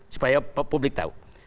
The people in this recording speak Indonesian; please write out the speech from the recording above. supaya publik tahu